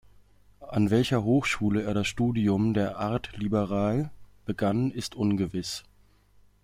An welcher Hochschule er das Studium der Artes liberales begann, ist ungewiss.